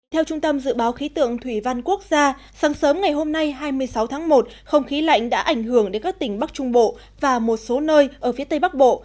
theo trung tâm dự báo khí tượng thủy văn quốc gia sáng sớm ngày hôm nay hai mươi sáu tháng một không khí lạnh đã ảnh hưởng đến các tỉnh bắc trung bộ và một số nơi ở phía tây bắc bộ